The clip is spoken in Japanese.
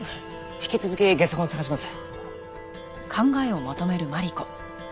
引き続きゲソ痕を捜します。